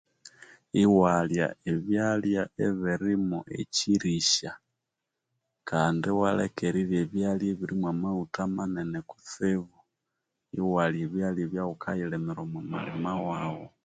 Iwalya ebyalya ebiri mo ekyirisya kandi ibwaleka erirya ebyalya ebiri mo maghutha manene kutsibu iwalya ebyalya ebya ghukayirimira omo malima waghu